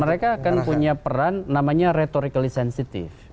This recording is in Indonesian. mereka akan punya peran namanya retorically sensitive